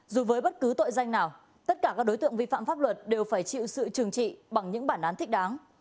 dù với bất cứ tội danh nào tất cả các đối tượng vi phạm pháp luật đều phải chịu sự trừng trị bằng những bản án thích đáng